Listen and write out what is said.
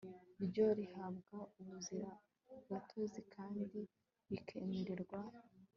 ryo rihabwa ubuzimagatozi kandi rikemererwa